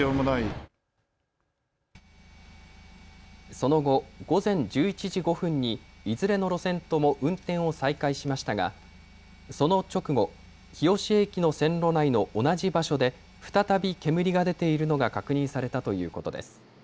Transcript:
その後、午前１１時５分にいずれの路線とも運転を再開しましたがその直後、日吉駅の線路内の同じ場所で再び煙が出ているのが確認されたということです。